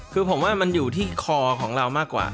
คือผมว่ามันอยู่ที่คอของเรามากกว่า